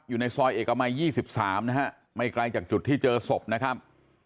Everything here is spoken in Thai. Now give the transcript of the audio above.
อยู่ในซอยเอกมัย๒๓นะฮะไม่ไกลจากจุดที่เจอศพนะครับ